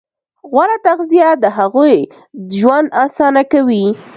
غوره تغذیه د هغوی ژوند اسانه کوي.